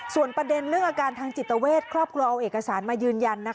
ส่วนประเด็นเรื่องอาการทางจิตเวทครอบครัวเอาเอกสารมายืนยัน